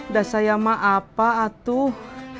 dah saya mah apa atuh